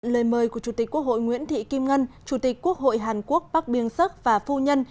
lời mời của chủ tịch quốc hội nguyễn thị kim ngân chủ tịch quốc hội hàn quốc bắc biêng sắc và phu nhân